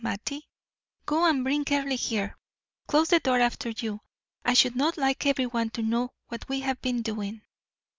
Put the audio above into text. Mattie, go and bring Earle here. Close the door after you. I should not like every one to know what we have been doing."